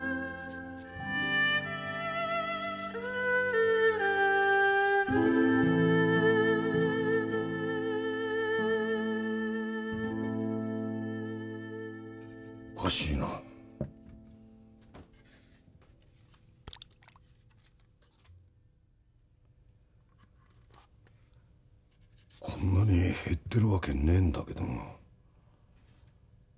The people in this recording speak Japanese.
こんなに減ってるわけねえんだけどな。